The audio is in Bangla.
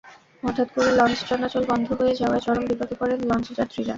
হঠাত্ করে লঞ্চ চলাচল বন্ধ হয়ে যাওয়ায় চরম বিপাকে পড়েন লঞ্চ যাত্রীরা।